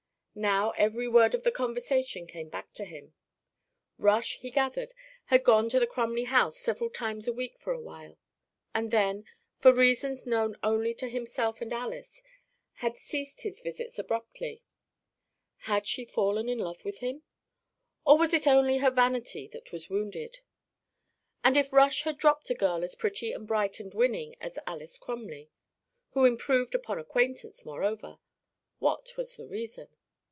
Now every word of the conversation came back to him. Rush, he gathered, had gone to the Crumley house several times a week for a while, and then, for reasons known only to himself and Alys, had ceased his visits abruptly. Had she fallen in love with him? Or was it only her vanity that was wounded? And if Rush had dropped a girl as pretty and bright and winning as Alys Crumley who improved upon acquaintance, moreover what was the reason?